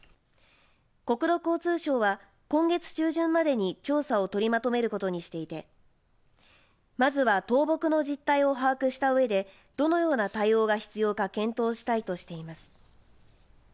国土交通省は今月中旬までに調査を取りまとめることにしていてまずは倒木の実態を把握したうえでどのような対応が必要か検討したいとしています。